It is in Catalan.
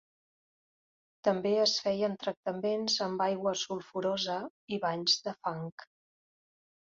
També es feien tractaments amb aigua sulfurosa i banys de fang.